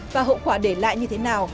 và hậu quả để lại như thế nào